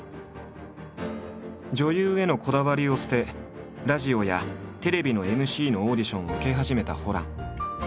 女優へのこだわりを捨てラジオやテレビのＭＣのオーディションを受け始めたホラン。